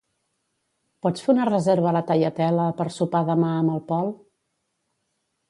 Pots fer una reserva a la Tagliatella per sopar demà amb el Pol?